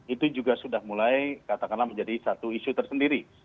itu juga sudah mulai katakanlah menjadi satu isu tersendiri